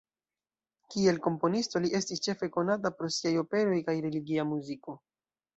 Kiel komponisto li estis ĉefe konata pro siaj operoj kaj religia muziko.